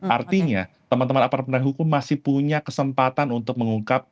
artinya teman teman aparat penegak hukum masih punya kesempatan untuk mengungkap